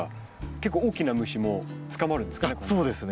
結構大きな虫も捕まるんですかね？